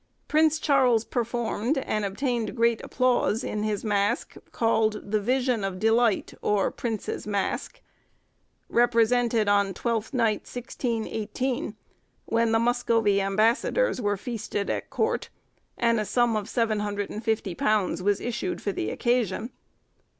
Prince Charles performed, and obtained great applause in his mask, called 'The Vision of Delight, or Prince's Mask,' represented on Twelfth Night, 1618, when the Muscovy ambassadors were feasted at court, and a sum of £750 was issued for the occasion.